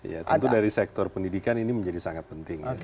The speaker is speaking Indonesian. ya tentu dari sektor pendidikan ini menjadi sangat penting ya